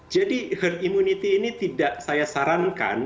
jadi heart immunity ini tidak saya sarankan